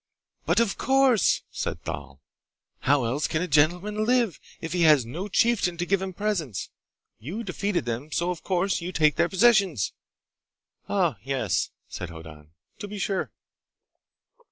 "But of course!" said Thal. "How else can a gentleman live, if he has no chieftain to give him presents? You defeated them, so of course you take their possessions!" "Ah, yes," said Hoddan. "To be sure!"